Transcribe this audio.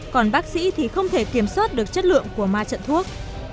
còn bác sĩ thì không thể kiểm soát được chất lượng của ma trận thuốc